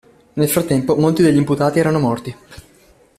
Nel frattempo, molti degli imputati erano morti.